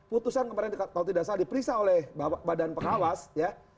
putusan kemarin kalau tidak salah diperiksa oleh badan pengawas ya